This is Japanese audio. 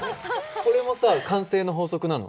これもさ慣性の法則なの？